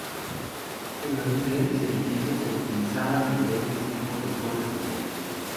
En los diferentes edificios se utilizaban diferentes tipos de "torres de viento".